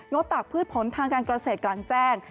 ดตากพืชผลทางการเกษตรกลางแจ้ง